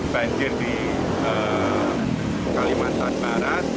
banjir di kalimantan barat